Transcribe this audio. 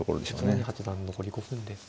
糸谷八段残り５分です。